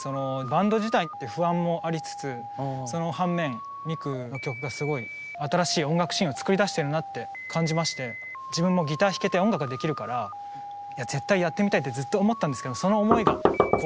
バンド自体って不安もありつつその反面ミクの曲がすごい新しい音楽シーンを作り出してるなって感じまして自分もいや絶対やってみたいってずっと思ってたんですけど